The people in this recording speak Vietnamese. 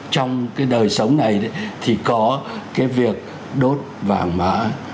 trong cái đời sống này thì có cái việc đốt vàng mã